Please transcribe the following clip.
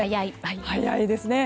早いですね。